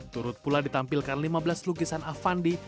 turut pula ditampilkan lima belas lukisan avandi